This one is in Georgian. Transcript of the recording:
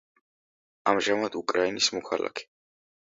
ამჟამად უკრაინის მოქალაქე.